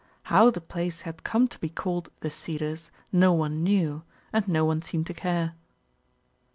How the place had come to be called "The Cedars," no one knew, and no one seemed to care.